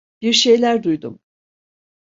Bir şeyler duydum.